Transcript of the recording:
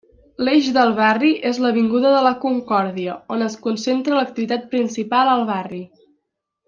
L'eix del barri és l'avinguda de la Concòrdia, on es concentra l'activitat principal al barri.